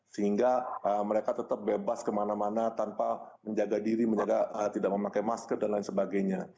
sehingga mereka tetap bebas kemana mana tanpa menjaga diri tidak memakai masker dan lain sebagainya